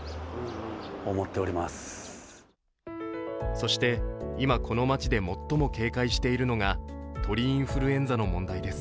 そして、今、この街で最も警戒しているのが鳥インフルエンザの問題です。